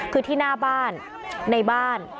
คือที่หน้าบ้านในบ้าน